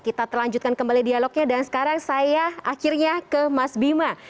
kita terlanjutkan kembali dialognya dan sekarang saya akhirnya ke mas bima